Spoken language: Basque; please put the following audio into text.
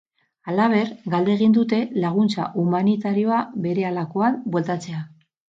Halaber, galdegin dute laguntza humanitarioa berehalakoan bueltatzea.